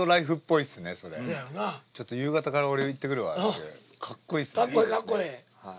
ちょっと夕方から俺行ってくるわってカッコイイっすね。